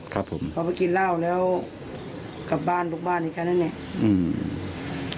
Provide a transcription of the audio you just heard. เขาไปกินเหล้าแล้วกลับบ้านลูกบ้านอีกครั้งนั้นเนี่ย